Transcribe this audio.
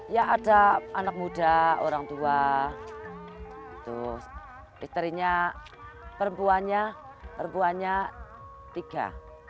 ya ada anak muda orang tua terus istrinya perempuannya perempuannya tiga